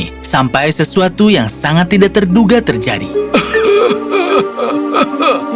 internet mereka telah biarkan alex buds terkecil